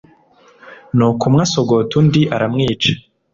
Nuko umwe asogota undi, aramwica.